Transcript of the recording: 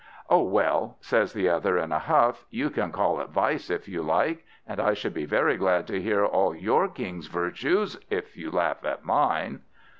"Oh, well," says the other in a huff, "you can call it vice if you like; and I should be very glad to hear all your King's virtues, if you laugh at mine!"